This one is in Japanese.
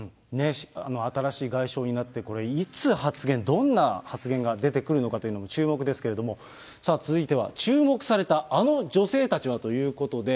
新しい外相になって、これ、いつ発言、どんな発言が出てくるのかというのも注目ですけれども、続いては、注目されたあの女性たちはということで。